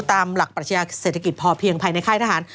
ตามหลักปรัชญาเศรษฐกิจพอเพียงภายในค่ายทหาร